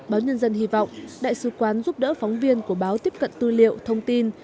báo nhân dân hy vọng đại sứ quán giúp đỡ phóng viên của báo tiếp cận tư liệu thông tin